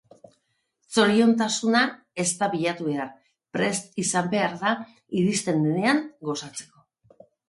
Zoriontasuna ez da bilatu behar. Prest izan behar da iristen denean gozatzeko.